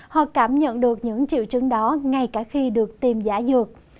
họ cảm nhận được những triệu chứng đó ngay cả khi được tiêm giả dược